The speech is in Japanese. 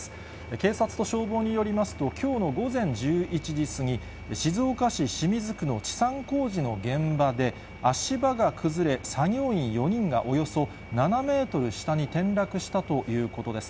警察と消防によりますと、きょうの午前１１時過ぎ、静岡市清水区の治山工事の現場で、足場が崩れ、作業員４人がおよそ７メートル下に転落したということです。